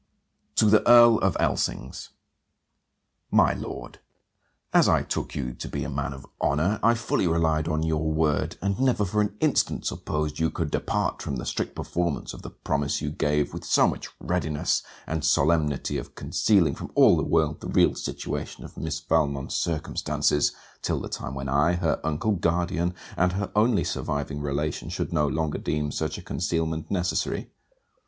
TO THE EARL OF ELSINGS My Lord, As I took you to be a man of honour, I fully relied on your word, and never for an instant supposed you could depart from the strict performance of the promise you gave with so much readiness and solemnity of concealing from all the world the real situation of Miss Valmont's circumstances till the time when I, her uncle, guardian, and her only surviving relation, should no longer deem such a concealment necessary.